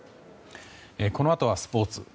このあとはスポーツ。